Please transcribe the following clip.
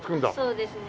そうですね。